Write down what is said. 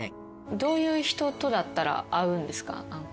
どういう人とだったら合うんですか？